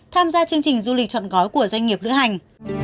tham gia chương trình du lịch trọn gói của doanh nghiệp lựa hành